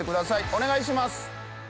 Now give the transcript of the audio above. お願いします。